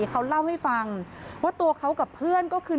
เขาเล่าให้ฟังว่าตัวเขากับเพื่อนก็คือ